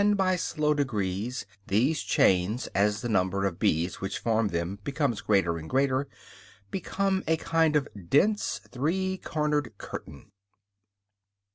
And, by slow degrees, these chains, as the number of bees which form them becomes greater and greater, become a kind of dense, three cornered curtain.